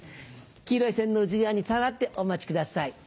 黄色い線の内側に下がってお待ち下さい」。